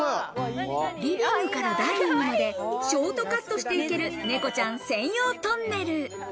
リビングからダイニングまでショートカットしていけるネコちゃん専用トンネル。